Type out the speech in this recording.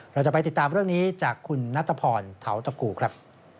เราจะไปติดตามเรื่องนี้จากคุณนัทพรเทาตะกูครับ